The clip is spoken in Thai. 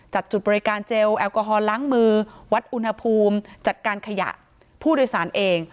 จุดบริการเจลแอลกอฮอลล้างมือวัดอุณหภูมิจัดการขยะผู้โดยสารเอง